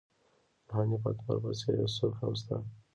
د حنیف اتمر په څېر یو څوک هم شته.